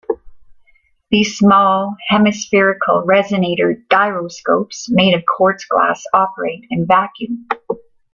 These small Hemispherical resonator gyroscopes made of quartz glass operate in vacuum.